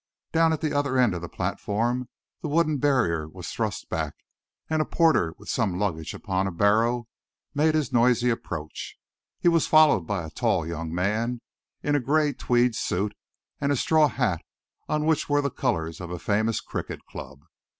Down at the other end of the platform the wooden barrier was thrust back, and a porter with some luggage upon a barrow made his noisy approach. He was followed by a tall young man in a grey tweed suit and a straw hat on which were the colours of a famous cricket club.